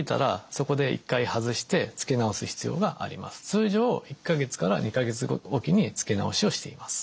通常１２か月置きに付け直しをしています。